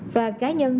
và các nhà hàng